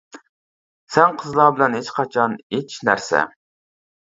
سەن قىزلار بىلەن ھېچقاچان ھېچ نەرسە!